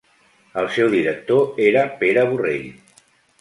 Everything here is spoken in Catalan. El seu director era Pere Borrell.